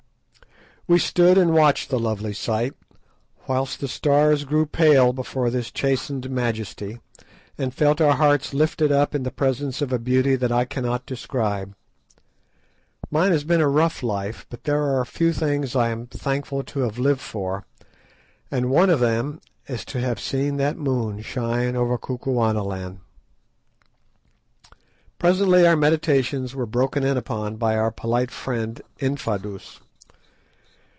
We stood and watched the lovely sight, whilst the stars grew pale before this chastened majesty, and felt our hearts lifted up in the presence of a beauty that I cannot describe. Mine has been a rough life, but there are a few things I am thankful to have lived for, and one of them is to have seen that moon shine over Kukuanaland. Presently our meditations were broken in upon by our polite friend Infadoos.